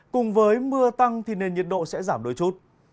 cùng với mưa tăng thì nền nhiệt độ sẽ giảm đôi chút